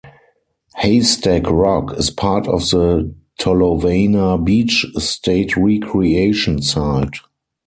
Haystack Rock is part of the Tolovana Beach State Recreation Site.